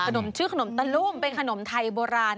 ชื่อขนมตะลุ่มเป็นขนมไทยโบราณ